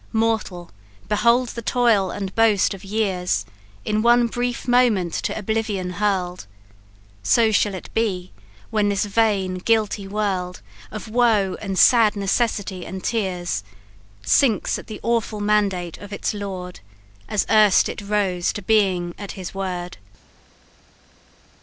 Mortal, behold the toil and boast of years In one brief moment to oblivion hurled. So shall it be, when this vain guilty world Of woe, and sad necessity and tears, Sinks at the awful mandate of its Lord, As erst it rose to being at his word."